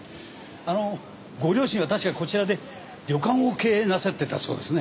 あのご両親は確かこちらで旅館を経営なさってたそうですね？